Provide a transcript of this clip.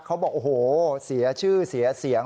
เขาบอกเสียชื่อเสียเสียง